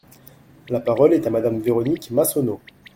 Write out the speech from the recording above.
La parole est à Madame Véronique Massonneau.